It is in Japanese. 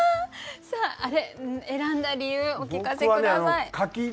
さあ選んだ理由お聞かせ下さい。